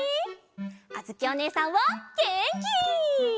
あづきおねえさんはげんき！